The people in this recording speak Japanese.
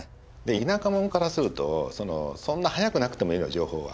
田舎者からするとそんな早くなくてもいいの情報は。